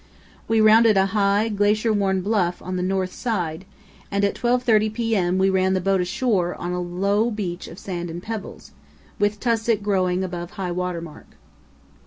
We rounded a high, glacier worn bluff on the north side, and at 12.30 p.m. we ran the boat ashore on a low beach of sand and pebbles, with tussock growing above high water mark.